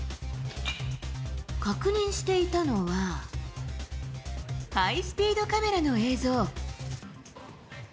確認していたのは、ハイスピードカメラの映像。